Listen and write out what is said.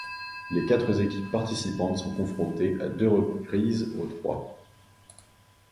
Les quatre équipes participantes sont confrontées à deux reprises aux trois.